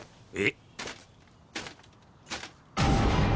えっ？